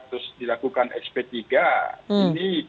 terus kita sampai akhir kesurangan ini sekarang